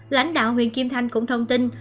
lãnh đạo huyện kim thanh cũng thông tin